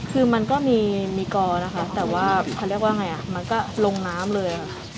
คือมันก็มีกอนะคะแต่ว่าเขาเรียกว่าไงมันก็ลงน้ำเลยค่ะ